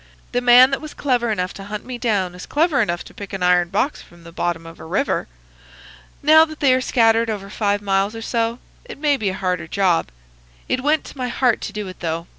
"The man that was clever enough to hunt me down is clever enough to pick an iron box from the bottom of a river. Now that they are scattered over five miles or so, it may be a harder job. It went to my heart to do it, though.